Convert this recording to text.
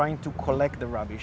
dan mencoba mengumpulkan kerabat